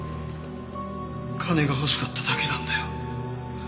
金が欲しかっただけなんだよ。